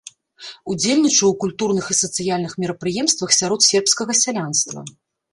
Удзельнічаў у культурных і сацыяльных мерапрыемствах сярод сербскага сялянства.